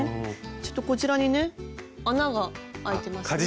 ちょっとこちらにね穴があいてますね。